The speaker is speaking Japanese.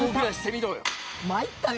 「参ったね」